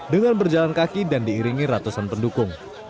dengan berjalan kaki dan diiringi ratusan pendukung